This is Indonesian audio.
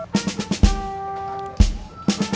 tadi pagi pak kamtip